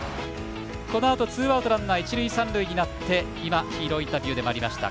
このあとツーアウト、ランナー一塁、三塁になってヒーローインタビューでもありました